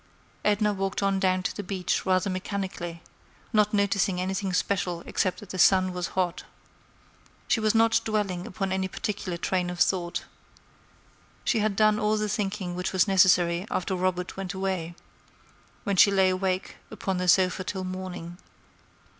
Edna walked on down to the beach rather mechanically, not noticing anything special except that the sun was hot. She was not dwelling upon any particular train of thought. She had done all the thinking which was necessary after Robert went away, when she lay awake upon the sofa till morning.